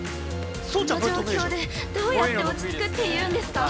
◆この状況で、どうやって落ちつくっていうんですか？